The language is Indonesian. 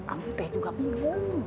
ampe juga bingung